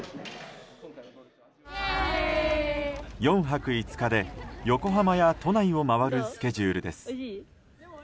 ４泊５日で、横浜や都内を回るスケジュールです。